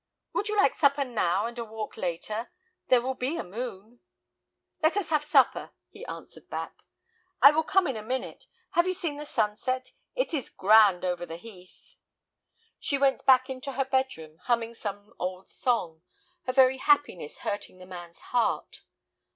"Would you like supper now, and a walk later? There will be a moon." "Let us have supper," he answered back. "I will come in a minute. Have you seen the sunset? It is grand over the heath." She went back into her bedroom, humming some old song, her very happiness hurting the man's heart.